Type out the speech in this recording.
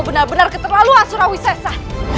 kau benar benar keterlaluan surawi sesa